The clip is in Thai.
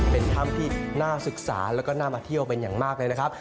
เป็นถ้ำที่น่าศึกษาแล้วก็น่ามาเที่ยวเป็นอย่างมากเลยนะครับ